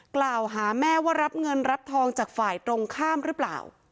กล่าวหาแม่ว่ารับเงินรับทองจากฝ่ายตรงข้ามหรือเปล่า